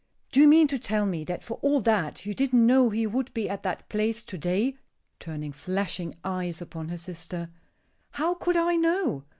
"Do you mean to tell me that for all that you didn't know he would be at that place to day?" turning flashing eyes upon her sister. "How could I know?